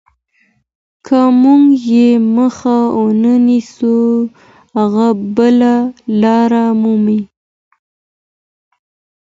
که موږ یې مخه ونیسو هغه بله لار مومي.